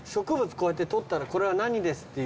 こうやって撮ったら「これは何です」っていう。